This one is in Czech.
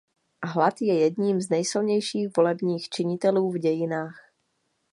Hlad je jedním z nejsilnějších volebních činitelů v dějinách.